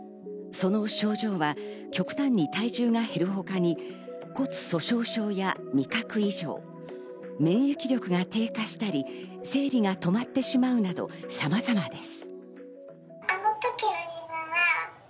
その症状は極端に体重が減るほかに、骨粗しょう症や味覚異常、免疫力が低下したり、生理が止まってしまうなど、さまざまです。